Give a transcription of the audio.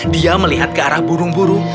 dia melihat ke arah burung burung